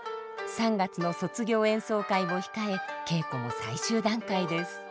３月の卒業演奏会を控え稽古も最終段階です。